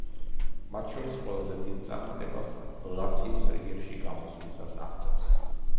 მათ შორის ყველაზე დიდ წარმატებას „ლაციოს“ რიგებში გამოსვლისას აღწევს.